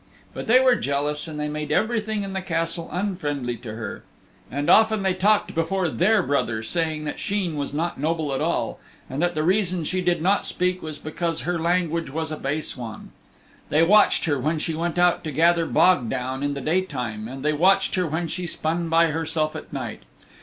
But they were jealous and they made everything in the Castle unfriendly to her. And often they talked before her brother saying that Sheen was not noble at all, and that the reason she did not speak was because her language was a base one. They watched her when she went out to gather bog down in the daytime, and they watched her when she spun by herself at night.